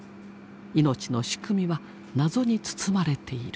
命の仕組みは謎に包まれている。